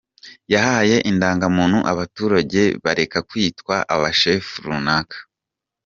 Yahaye indangamuntu abaturage, bareka kwitwa aba shefu runaka.